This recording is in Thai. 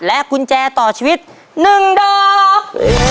กุญแจต่อชีวิต๑ดอก